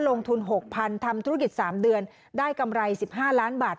ลงทุน๖๐๐๐ทำธุรกิจ๓เดือนได้กำไร๑๕ล้านบาท